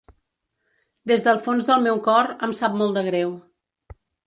Des del fons del meu cor, em sap molt de greu.